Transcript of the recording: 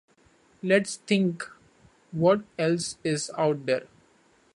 Let's think what else is out there.